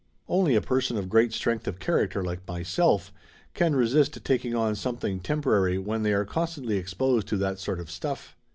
Only a person of great strength of character like myself can resist taking on something temporary when they are constantly exposed to that sort of stuff.